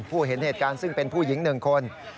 เห็นเหตุการณ์ซึ่งเป็นผู้หญิง๑คน